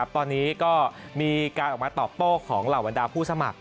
ตอนนี้ก็มีการออกมาตอบโต้ของเหล่าบรรดาผู้สมัคร